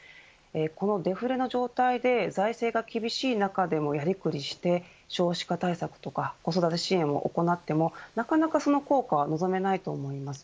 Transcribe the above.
このデフレの状態で財政が厳しい中でもやりくりして少子化対策とか子育て支援を行ってもなかなかその効果は望めないと思います。